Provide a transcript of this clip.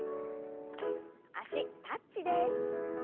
脚タッチです。